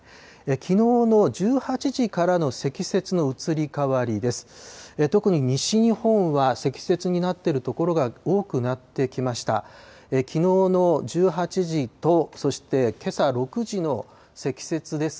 きのうの１８時からの積雪の移り変わりです。